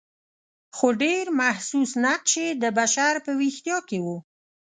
خو ډېر محسوس نقش یې د بشر په ویښتیا کې و.